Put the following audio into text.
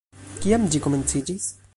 Kiam ĝi komenciĝis?